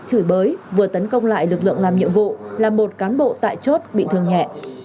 chửi bới vừa tấn công lại lực lượng làm nhiệm vụ là một cán bộ tại chốt bị thương nhẹ